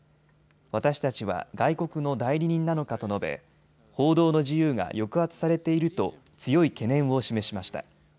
私たちは外国の代理人なのかと述べ報道の自由が抑圧されていると強い懸念を示しました。